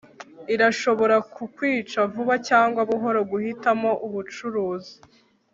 irashobora kukwica vuba cyangwa buhoro; guhitamo umucuruzi